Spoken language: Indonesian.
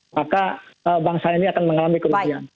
maka bangsa ini akan mengalami kerugian